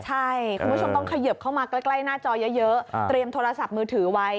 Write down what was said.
ใช่คุณผู้ชมต้องเขยิบเข้ามาใกล้หน้าจอเยอะเตรียมโทรศัพท์มือถือไว้